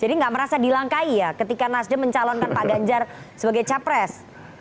jadi gak merasa dilangkahi ya ketika nasdem mencalonkan pak ganjar sebagai capres